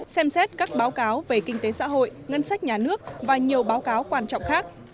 xem xét các báo cáo về kinh tế xã hội ngân sách nhà nước và nhiều báo cáo quan trọng khác